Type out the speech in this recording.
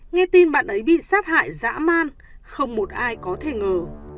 nghe tin bạn ấy bị sát hại dã man không một ai có thể ngờ